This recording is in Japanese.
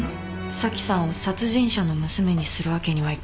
紗季さんを殺人者の娘にするわけにはいかない。